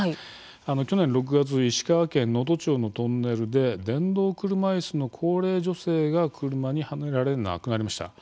去年６月、石川県能登町のトンネルで電動車いすの高齢女性が車にはねられ亡くなりました。